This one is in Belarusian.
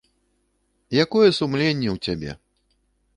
Якое сумленне ў цябе?